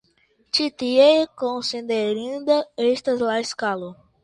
Ĉi tie konsiderinda estas la skalo.